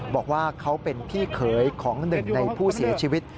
บอกว่าเขาเป็นพี่เขยของหนึ่งในผู้เสียชีวิต